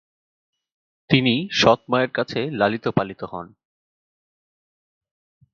তিনি সৎ মায়ের কাছে লালিত পালিত হন।